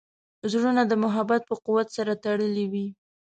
زړونه د محبت په قوت سره تړلي وي.